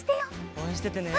おうえんしててね。